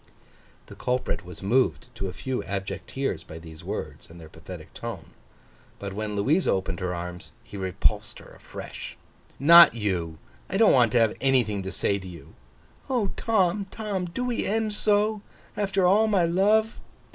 The culprit was moved to a few abject tears by these words and their pathetic tone. But, when Louisa opened her arms, he repulsed her afresh. 'Not you. I don't want to have anything to say to you!' 'O Tom, Tom, do we end so, after all my love!